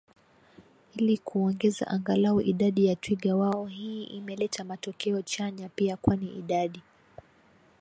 ili kuongeza angalau idadi ya twiga wao Hii imeleta matokeo chanya pia kwani idadi